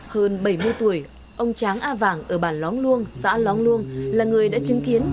hơn bảy mươi tuổi ông tráng a vàng ở bản lóng luông xã lóng luông là người đã chứng kiến